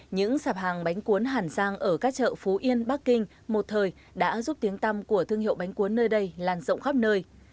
những sạp hàng bánh cuốn hàn giang ở các chợ phú yên bắc kinh một thời đã giúp tiếng tăm của thương hiệu bánh cuốn nơi đây lan rộng khắp nơi